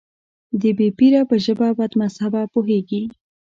د بې پيره په ژبه بدمذهبه پوهېږي.